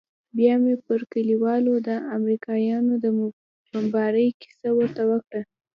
بيا مې پر كليوالو د امريکايانو د بمبارۍ كيسه ورته وكړه.